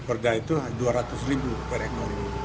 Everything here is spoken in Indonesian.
perda itu dua ratus ribu per ekor